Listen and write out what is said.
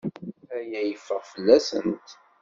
Aya yeffeɣ fell-asent.